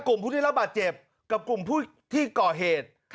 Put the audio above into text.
กลุ่มผู้ได้รับบาดเจ็บกับกลุ่มผู้ที่ก่อเหตุ